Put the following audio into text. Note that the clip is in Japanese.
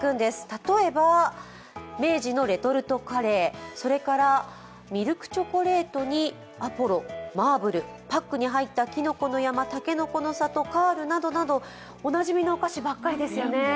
例えば明治のレトルトカレー、それからミルクチョコレートにアポロ、マーブル、パックに入ったきのこの山、たけのこの里、カールなどなど、おなじみのお菓子ばっかりですよね。